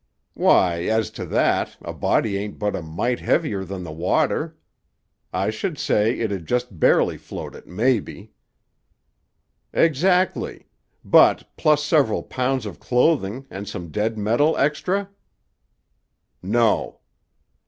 "Why, as to that, a body ain't but a mite heavier than the water. I should say it'd just barely float it, maybe." "Exactly; but plus several pounds of clothing, and some dead metal extra?" "No."